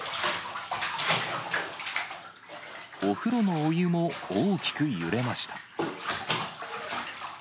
お風呂のお湯も大きく揺れました。